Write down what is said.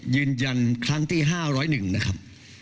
ยืนยันครั้งที่๕๐๑นะครับ